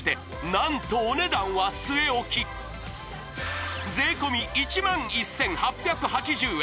何とお値段は据え置き税込１１８８０円